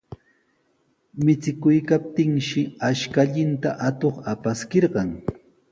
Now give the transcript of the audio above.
Michikuykaptinshi ashkallanta atuq apaskirqan.